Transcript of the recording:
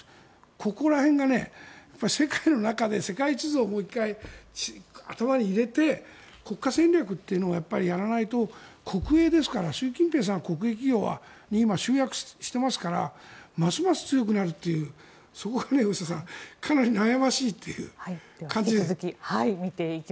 ここら辺が世界の中で世界地図をもう１回頭に入れて国家戦略というのをやらないと国営ですから習近平さんは国営企業に今、集約していますからますます強くなるというそこが大下さんかなり悩ましいという感じです。